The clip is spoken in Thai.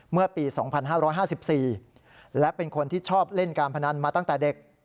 เมื่อปี๒๕๕๔และเป็นคนที่ชอบเล่นการพนันมาตั้งแต่เด็ก